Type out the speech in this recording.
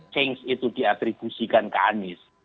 change itu diatribusikan ke anies